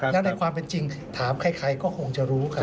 และในความเป็นจริงถามใครก็คงจะรู้ครับ